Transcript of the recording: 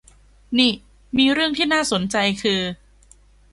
นี้มีเรื่องที่น่าสนใจคือ